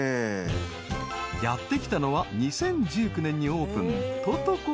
［やって来たのは２０１９年にオープン］